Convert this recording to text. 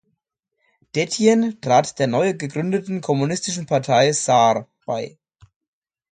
Detjen trat der neu gegründeten Kommunistischen Partei Saar bei.